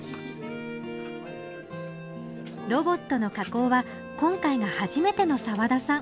ロボットの加工は今回が初めての澤田さん。